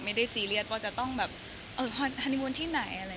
ไม่ได้ซีเรียสว่าจะต้องเอ้าฮันีวูลที่ไหนแล้ว